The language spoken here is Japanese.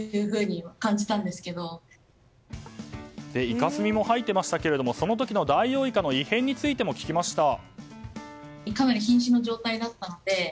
イカスミも吐いてましたがその時のダイオウイカの異変についても聞きました。